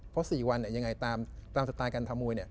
เพราะ๔วันยังไงตามสไตล์การทำมวย